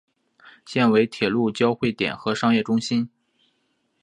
现为铁路交会点和商业中心。